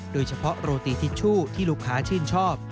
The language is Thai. โดยเฉพาะโรตีทิชชู่ที่ลูกค้าชื่นชอบ